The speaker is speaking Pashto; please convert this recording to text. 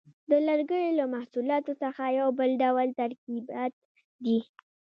د لرګیو له محصولاتو څخه یو بل ډول ترکیبات دي.